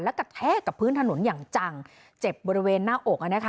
และกระแทกกับพื้นถนนอย่างจังเจ็บบริเวณหน้าอกอ่ะนะคะ